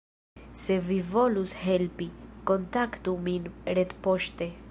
Se vi volus helpi, kontaktu min retpoŝte!